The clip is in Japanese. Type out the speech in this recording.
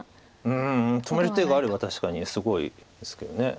うん止める手があれば確かにすごいですけど。